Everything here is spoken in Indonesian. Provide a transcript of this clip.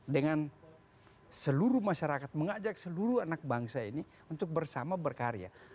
dengan seluruh masyarakat mengajak seluruh anak bangsa ini untuk bersama berkarya